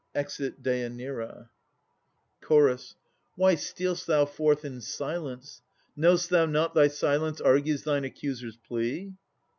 [Exit DÊANIRA. CH. Why steal'st thou forth in silence? Know'st thou not Thy silence argues thine accuser's plea?